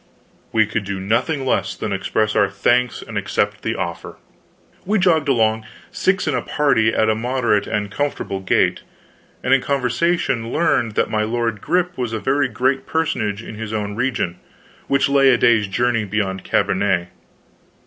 We could do nothing less than express our thanks and accept the offer. We jogged along, six in the party, at a moderate and comfortable gait, and in conversation learned that my lord Grip was a very great personage in his own region, which lay a day's journey beyond Cambenet.